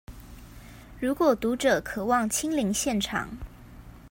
如果讀者渴望親臨現場